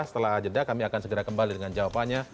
setelah jeda kami akan segera kembali dengan jawabannya